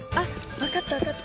わかったわかった。